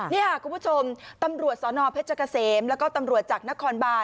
นี่ค่ะคุณผู้ชมตำรวจสนเพชรเกษมแล้วก็ตำรวจจากนครบาน